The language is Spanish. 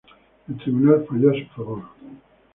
El tribunal falló a su favor.